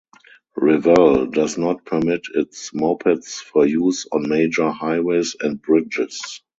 Revel does not permit its mopeds for use on major highways and bridges.